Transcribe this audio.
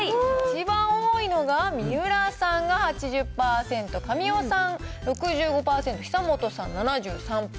一番多いのが三浦さんが８０％、神尾さん６５％、久本さん７３％。